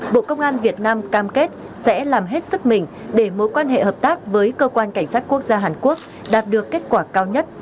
bộ công an việt nam cam kết sẽ làm hết sức mình để mối quan hệ hợp tác với cơ quan cảnh sát quốc gia hàn quốc đạt được kết quả cao nhất